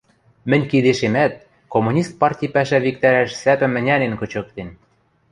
Мӹнь кидешемӓт коммунист парти пӓшӓ виктӓрӓш сӓпӹм ӹнянен кычыктен.